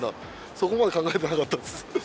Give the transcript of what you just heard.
そこまで考えてなかったです。